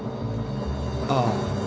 ああ。